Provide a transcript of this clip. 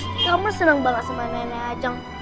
kamu seneng banget sama nenek ajang